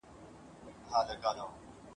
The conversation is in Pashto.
چي اغږلی یې د شر تخم په ذات دی !.